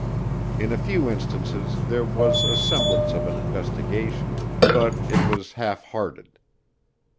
In a few instances there was a semblance of an investigation but it was halfhearted.